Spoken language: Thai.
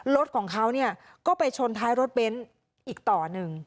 รถของเขาก็ไปชนท้ายรถเบนท์อีกต่อหนึ่ง